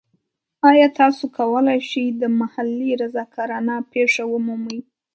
ایا تاسو کولی شئ د محلي رضاکارانه پیښه ومومئ؟